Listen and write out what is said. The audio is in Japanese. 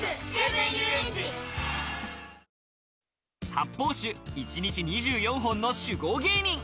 発泡酒、一日２４本の酒豪芸人！